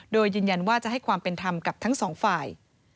โดยยืนยันว่าจะให้ความเป็นธรรมกับทั้งสองฝ่าย